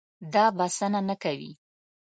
دا بسنه نه کوي.